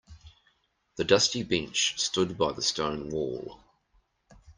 The dusty bench stood by the stone wall.